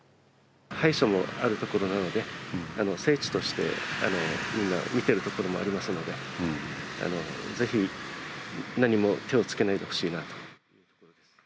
拝所もある所なので、聖地としてみんな見てるところもありますので、ぜひ何も手をつけないでほしいなと。